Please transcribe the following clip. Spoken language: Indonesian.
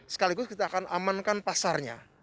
sekaligus kita akan amankan pasarnya